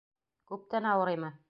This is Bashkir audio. — Күптән ауырыймы?